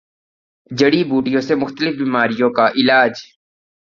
جڑی بوٹیوں سےمختلف بیماریوں کا علاج